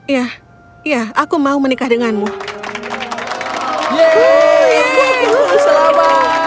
ya ya aku mau menikah denganmu